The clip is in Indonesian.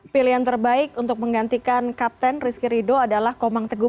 pilihan terbaik untuk menggantikan kapten rizky rido adalah komang teguh